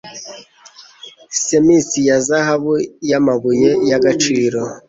Semes ya zahabu namabuye y'agaciro